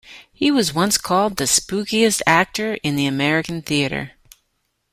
He was once called "the spookiest actor in the American theatre".